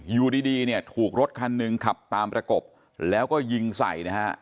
อยู่ดีเนี่ยถูกรถคันหนึ่งขับตามประกบแล้วก็ยิงใส่นะฮะ